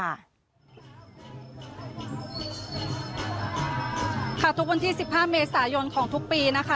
ค่ะทุกวันที่๑๕เมษายนของทุกปีนะคะ